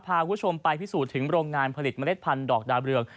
พาคุณผู้ชมไปพิสูจน์ถึงโรงงานผลิตเมล็ดพันธอกดาวเรือง